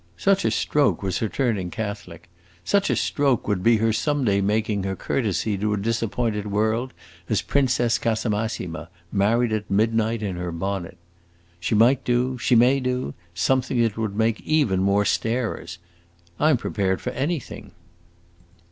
Such a stroke was her turning Catholic; such a stroke would be her some day making her courtesy to a disappointed world as Princess Casamassima, married at midnight, in her bonnet. She might do she may do something that would make even more starers! I 'm prepared for anything."